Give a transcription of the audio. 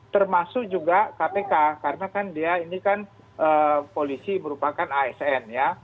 termasuk juga kpk karena kan dia ini kan polisi merupakan asn ya